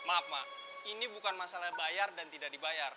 maaf pak ini bukan masalah bayar dan tidak dibayar